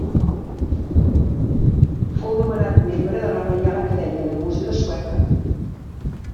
Fou nomenat membre de la Reial Acadèmia de Música Sueca.